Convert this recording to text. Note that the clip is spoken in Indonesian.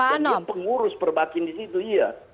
dan dia pengurus perbakin di situ ya